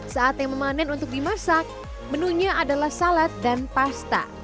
saatnya memanen untuk dimasak menunya adalah salad dan pasta